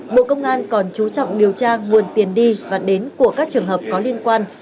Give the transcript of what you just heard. bộ công an còn chú trọng điều tra nguồn tiền đi và đến của các trường hợp có liên quan